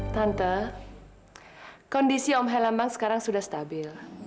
tante kondisi om helembang sekarang sudah stabil